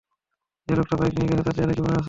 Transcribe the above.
য়ে লোকটা বাইক নিয়ে গেছে, তার চেহারা কি মনে আছে?